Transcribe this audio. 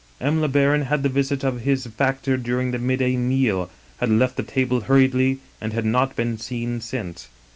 M. le Baron had the visit of his factor during the midday meal ; had left the table hurriedly, and had not been seen since.